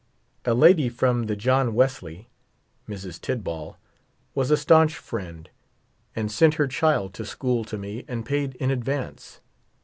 A lady from the John Wesley, Mrs. Tidball, was a staunch friend, and sent her child to school to me and paid in advance.